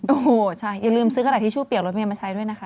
โอ้โหใช่อย่าลืมซื้อกระดาษทิชชู่เปียกรถเมย์มาใช้ด้วยนะคะ